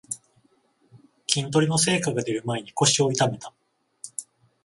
筋トレの成果がでる前に腰を痛めた